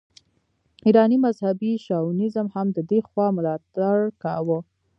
ایراني مذهبي شاونیزم هم د دې خوا ملاتړ کاوه.